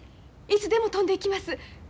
いつでも飛んでいきます。